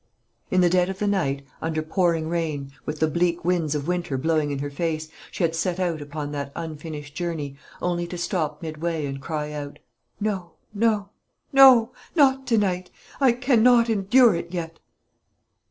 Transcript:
In the dead of the night, under pouring rain, with the bleak winds of winter blowing in her face, she had set out upon that unfinished journey, only to stop midway, and cry out, "No, no, no not to night; I cannot endure it yet!"